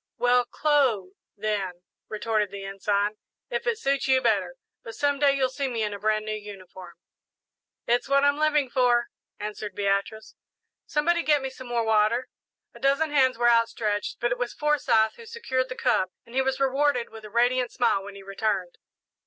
'" "Well, 'clo', then," retorted the Ensign, "if it suits you better; but some day you'll see me in a brand new uniform." "It's what I'm living for," answered Beatrice. "Somebody get me some more water." A dozen hands were outstretched, but it was Forsyth who secured the cup, and he was rewarded with a radiant smile when he returned.